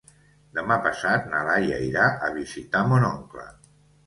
Demà passat na Laia irà a visitar mon oncle.